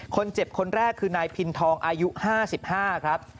คนเจ็บคนแรกคือนายพินทองอายุ๕๕ครับ